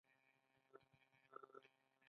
علي د سارې پر پاکه لمنه داغ ولګولو.